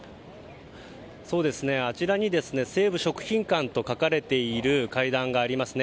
あちらに西武食品館と書かれている階段がありますね。